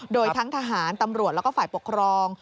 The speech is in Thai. โดยทั้งทหารตำรวจแล้วก็ฝ่ายปกครอง